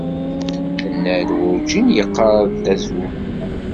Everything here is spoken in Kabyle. Mennad werǧin yeqqar-d azul.